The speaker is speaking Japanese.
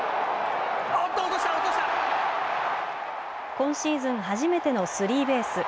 今シーズン初めてのスリーベース。